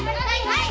はい！